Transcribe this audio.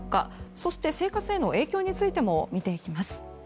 そして、生活への影響についても見ていきます。